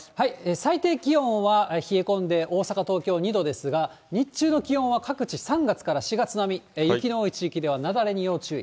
最低気温は冷え込んで、大阪、東京２度ですが、日中の気温は各地、３月から４月並み、雪の多い地域では雪崩に要注意。